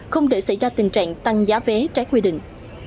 không để xảy ra tình trạng tăng giá vé trái quy định